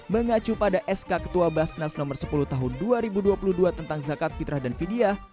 mengacu pada sk ketua basnas nomor sepuluh tahun dua ribu dua puluh dua tentang zakat fitrah dan vidya